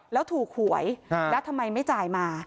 แล้วถูกหวยแล้วทำไมไม่จ่ายมา